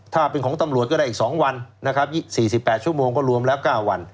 ถ้าเป็นของตำรวจก็ได้อีก๒วันนะครับ๔๘ชั่วโมงก็รวมแล้ว๙วัน